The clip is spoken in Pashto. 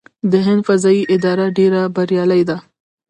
د هند فضايي اداره ډیره بریالۍ ده.